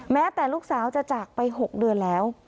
แม้แต่ลูกสาวจะจากไป๖เดือนแล้ว